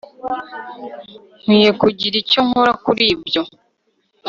nkwiye kugira icyo nkora kuri ibyo